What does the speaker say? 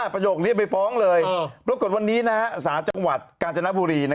ประโยคนี้ไปฟ้องเลยปรากฏวันนี้ศาลจังหวัดกาญจนบุรี